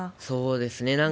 そうですね。